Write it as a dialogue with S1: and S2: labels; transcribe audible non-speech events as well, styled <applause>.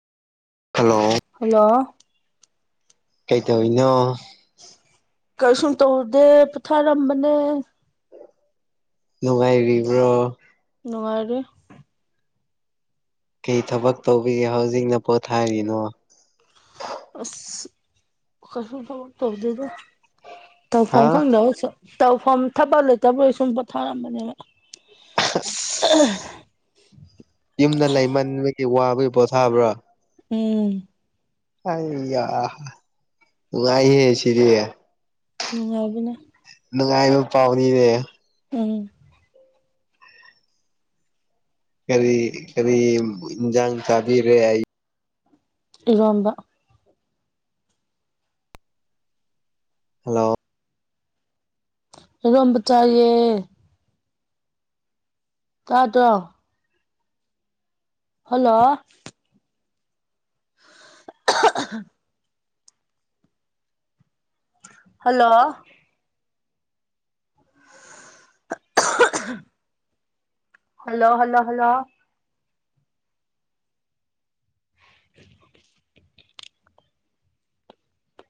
S1: Hello
S2: hello
S1: ꯀꯩꯗꯧꯔꯤꯅꯣ꯫
S2: ꯀꯩꯁꯨꯝ ꯇꯧꯗꯦ ꯄꯣꯊꯥꯔꯝꯕꯅꯦ꯫
S1: ꯅꯨꯡꯉꯥꯏꯔꯤꯕ꯭ꯔꯣ꯫
S2: ꯅꯨꯡꯉꯥꯢꯔꯤ꯫
S1: ꯀꯩ ꯊꯕꯛ ꯇꯧꯕꯤꯒꯦ ꯍꯧꯖꯤꯛꯅ ꯄꯣꯊꯥꯔꯤꯅꯣ꯫
S2: ꯑꯁ ꯀꯩꯁꯨ ꯊꯕꯛ ꯇꯧꯗꯦꯗ
S1: ꯍꯥ
S2: ꯇꯧꯐꯝ ꯈꯪꯗꯕ ꯁ꯫ ꯇꯧꯐꯝ ꯊꯕꯛ ꯂꯩꯇꯕꯩ ꯁꯨꯝ ꯄꯣꯊꯥꯔꯝꯕꯅꯦꯕ꯫ <unintelligible>
S1: ꯌꯨꯝꯗ ꯂꯩꯃꯟꯕꯒꯤ ꯋꯥꯕꯒꯤ ꯄꯣꯊꯥꯕ꯭ꯔꯥ꯫
S2: ꯎꯝ꯫
S1: ꯑꯩꯌꯥ ꯅꯨꯡꯉꯥꯢꯌꯦ ꯁꯤꯗꯤ꯫
S2: ꯅꯨꯡꯉꯥꯏꯕꯅꯦ꯫
S1: ꯅꯨꯡꯉꯥꯏꯕ ꯄꯥꯎꯅꯤꯅꯦ꯫
S2: ꯎꯝ꯫
S1: ꯀꯔꯤ ꯀꯔꯤ ꯏꯟꯖꯥꯡ ꯆꯥꯕꯤꯔꯦ꯫
S2: ꯏꯔꯣꯝꯕ꯫
S1: ꯍꯜꯂꯣ꯫
S2: ꯢꯔꯣꯝꯕ ꯆꯥꯏꯌꯦ꯫ ꯇꯥꯗꯔꯣ꯫ Hello. <unintelligible> Hello. <unintelligible> Hello hello hello. <unintelligible>